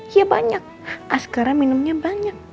iya banyak askarnya minumnya banyak